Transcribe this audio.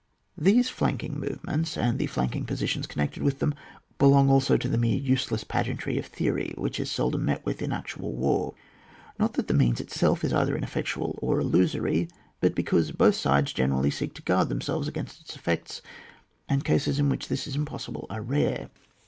These flanking movements, and the flanking positions connected with them, belong also to the mere useless pageantry of theory, which is seldom met with in actual war. Not that the means itself is either ineffectual or illusory, but because both sides generally seek to guard them selves against its effects ; and cases in which this is impossible are rare.